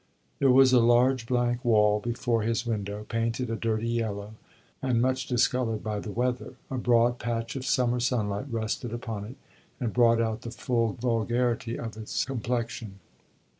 There was a large blank wall before his window, painted a dirty yellow and much discolored by the weather; a broad patch of summer sunlight rested upon it and brought out the full vulgarity of its complexion.